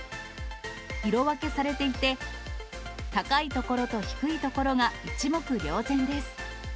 色分けされていて、高い所と低い所が一目瞭然です。